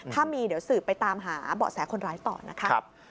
ถ้ามีเดี๋ยวสืบไปตามหาเบาะแสคนร้ายต่อนะคะ